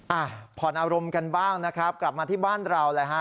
อ่ะผ่อนอารมณ์กันบ้างนะครับกลับมาที่บ้านเราแหละฮะ